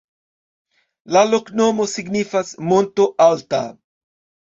La loknomo signifas: monto-alta.